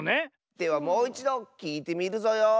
ではもういちどきいてみるぞよ。